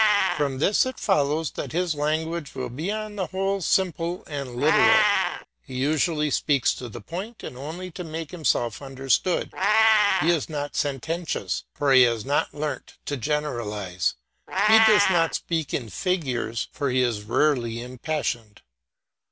From this it follows that his language will be on the whole simple and literal. He usually speaks to the point and only to make himself understood. He is not sententious, for he has not learnt to generalise; he does not speak in figures, for he is rarely impassioned.